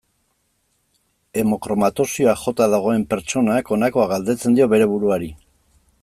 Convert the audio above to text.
Hemokromatosiak jota dagoen pertsonak honakoa galdetzen dio bere buruari.